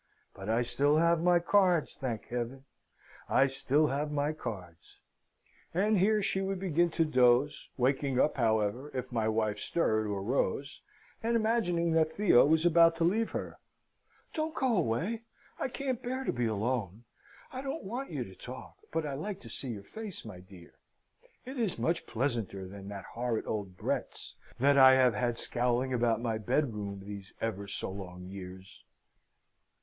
But I still have my cards thank Heaven, I still have my cards!" And here she would begin to doze: waking up, however, if my wife stirred or rose, and imagining that Theo was about to leave her. "Don't go away, I can't bear to be alone. I don't want you to talk. But I like to see your face, my dear! It is much pleasanter than that horrid old Brett's, that I have had scowling about my bedroom these ever so long years."